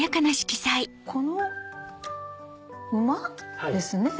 この午？ですね。